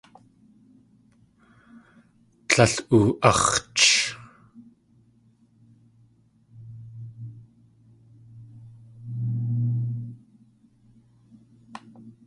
Tlél oo.áx̲ch.